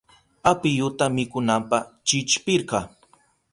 Apiyuta mikunanpa chillpirka.